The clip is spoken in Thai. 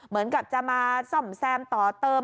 มีกับจะมาซ่อมแซมต่อเติม